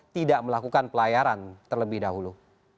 tidak melakukan pelayaran terlebih dahulu